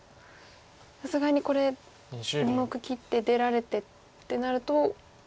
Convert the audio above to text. さすがにこれ２目切って出られてってなると。